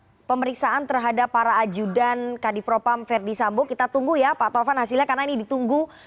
bagaimana hasil pemeriksaan terhadap para ajudan kadipropam ferdisambu kita tunggu ya pak tovan hasilnya karena ini ditunggu